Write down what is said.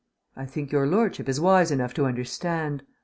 "I think your lordship is wise enough to understand.